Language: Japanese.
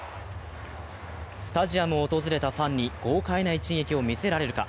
スタジアムを訪れたファンに豪快な一撃を見せられるか。